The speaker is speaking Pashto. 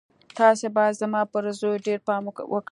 تاسې بايد زما پر زوی ډېر پام وکړئ.